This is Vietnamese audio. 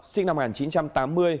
sinh năm một nghìn chín trăm tám mươi